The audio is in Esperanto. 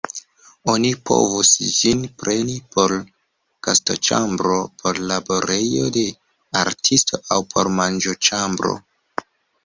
Oni povus ĝin preni por gastoĉambro, por laborejo de artisto aŭ por manĝoĉambro.